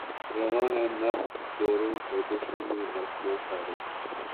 رواں ہے نبض دوراں گردشوں میں آسماں سارے